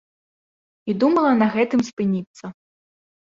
І думала на гэтым спыніцца.